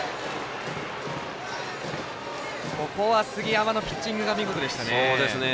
ここは杉山のピッチングが見事でしたね。